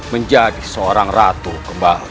menjadi seorang ratu kembali